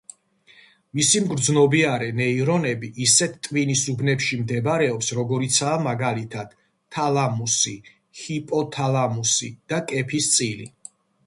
მისი მგრძნობიარე ნეირონები ისეთ ტვინის უბნებში მდებარეობს, როგორიცაა, მაგალითად თალამუსი, ჰიპოთალამუსი და კეფის წილი.